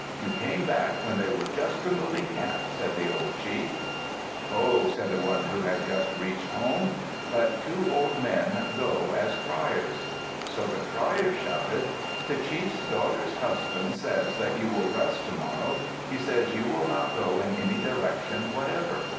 You came back when they were just removing camp," said the old chief. "Ho!" said the one who had just reached home. "Let two old men go as criers." So the criers shouted: "The chiefs daughter's husband says that you will rest tomorrow. He says you will not go in any direction whatever."